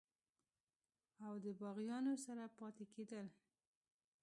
او دَباغيانو سره پاتې کيدل